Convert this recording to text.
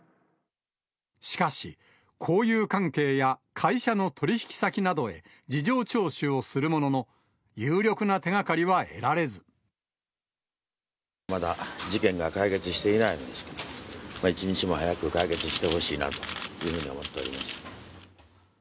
しかし、交友関係や会社の取り引き先などへ、事情聴取をするものの、まだ事件が解決していないんですけど、一日も早く解決してほしいなというふうに思っております。